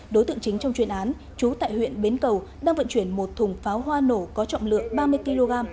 đối tượng chính trong chuyên án trú tại huyện bến cầu đang vận chuyển một thùng pháo hoa nổ có trọng lượng ba mươi kg